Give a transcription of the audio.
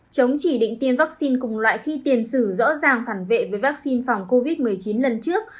chống chỉ định tiêm vaccine cùng loại khi tiền sử rõ ràng phản vệ với vaccine phòng covid một mươi chín lần trước